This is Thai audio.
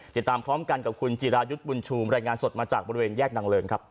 ติดตามพร้อมกันกับคุณจิรายุทธ์บุญชูมรายงานสดมาจากบริเวณแยกนางเลินครับ